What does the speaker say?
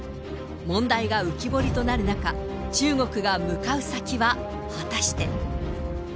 問題が浮き彫りとなる中、中国が向かう先は、果たして。